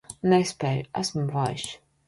Nespēju, esmu vājš.